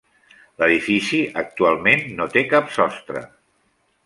L'edifici actualment no té cap sostre.